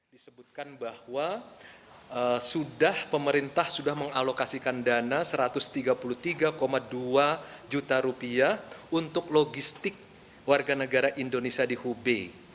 disebutkan bahwa sudah pemerintah sudah mengalokasikan dana rp satu ratus tiga puluh tiga dua juta rupiah untuk logistik warga negara indonesia di hubei